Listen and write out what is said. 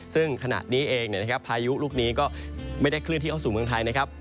ซึ่งขณะนี้เองพายุลูกนี้ก็ไม่ได้เคลื่อนที่เข้าสู่เมืองไทยนะครับ